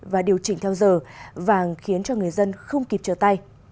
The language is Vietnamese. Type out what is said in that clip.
và điều chỉnh theo giờ vàng khiến cho người dân không kịp chờ tay